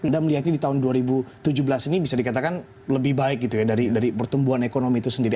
dan melihatnya di tahun dua ribu tujuh belas ini bisa dikatakan lebih baik gitu ya dari pertumbuhan ekonomi itu sendiri